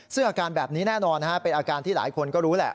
ซึ่งอาการแบบนี้แน่นอนเป็นอาการที่หลายคนก็รู้แหละ